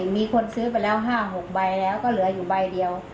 มีคนซื้อไปแล้ว๕๖ใบแล้วก็เหลืออยู่ใบเดียว